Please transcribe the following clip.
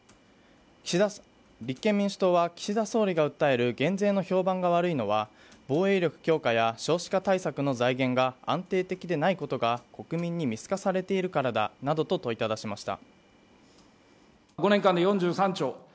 立憲民主党は岸田総理が訴える減税の評判が悪いのは防衛力強化や少子化対策の財源が安定的でないことが国民に見透かされてるからだなどと問いただしました